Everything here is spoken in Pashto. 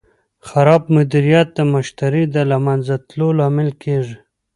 خراب مدیریت د مشتری د له منځه تلو لامل کېږي.